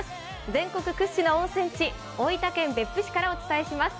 全国屈指の温泉地大分県別府市からお伝えします。